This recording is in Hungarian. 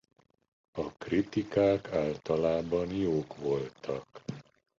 A kritikák általában jók voltak.